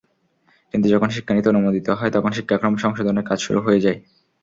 কিন্তু যখন শিক্ষানীতি অনুমোদিত হয়, তখন শিক্ষাক্রম সংশোধনের কাজ শুরু হয়ে যায়।